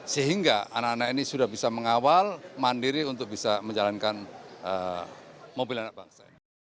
sehingga anak anak ini sudah bisa mengawal mandiri untuk bisa menjalankan mobil anak bangsa